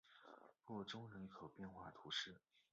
洛宗人口变化图示